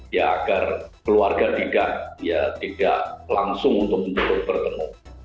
ya agar keluarga tidak ya tidak langsung untuk bertemu